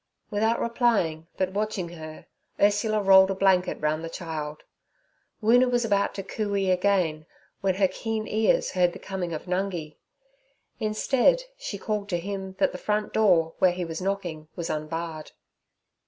Without replying, but watching her, Ursula rolled a blanket round the child. Woona was about to cooee again, when her keen ears heard the coming of Nungi. Instead she called to him that the front door where he was knocking was unbarred.